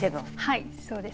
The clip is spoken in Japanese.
はいそうですね。